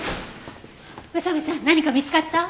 宇佐見さん何か見つかった？